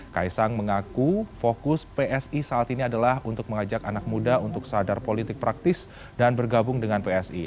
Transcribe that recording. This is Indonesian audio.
kaisang mengaku fokus psi saat ini adalah untuk mengajak anak muda untuk sadar politik praktis dan bergabung dengan psi